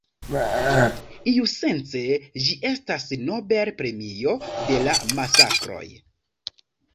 Iusence ĝi estas Nobel-premio de la masakroj.